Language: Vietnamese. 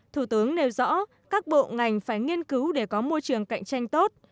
thủ tướng nêu rõ các bộ ngành phải nghiên cứu để có môi trường cạnh tranh tốt